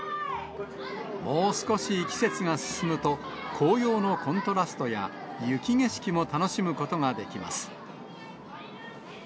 もう少し季節が進むと、紅葉のコントラストや雪景色も楽しむことができます。